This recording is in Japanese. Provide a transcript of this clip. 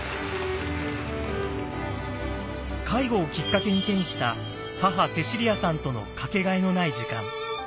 介護をきっかけに手にした母セシリアさんとのかけがえのない時間。